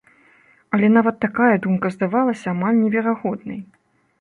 Але нават такая думка здавалася амаль неверагоднай.